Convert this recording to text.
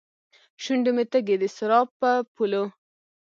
شونډې مې تږې ، دسراب په پولو